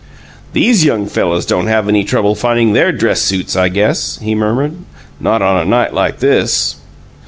"These YOUNG fellows don't have any trouble finding their dress suits, I guess," he murmured. "Not on a night like this!"